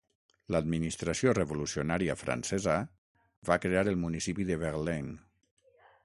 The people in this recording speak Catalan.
L'administració revolucionària francesa va crear el municipi de Verlaine.